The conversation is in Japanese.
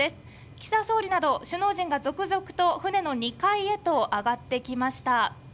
岸田総理など首脳陣が続々と船の２階へと上がってきました。